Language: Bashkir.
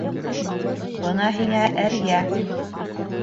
— Бына һиңә әрйә.